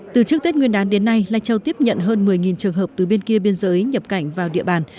từ trước tết nguyên đán đến nay lai châu tiếp nhận hơn một mươi trường hợp từ bên kia biên giới nhập cảnh vào địa bàn